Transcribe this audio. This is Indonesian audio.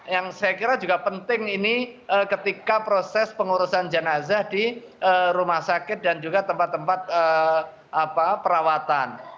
yang saya kira juga penting ini ketika proses pengurusan jenazah di rumah sakit dan juga tempat tempat perawatan